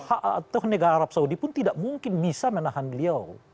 atau negara arab saudi pun tidak mungkin bisa menahan beliau